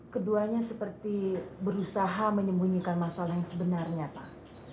keduanya seperti berusaha menyembunyikan masalah yang sebenarnya pak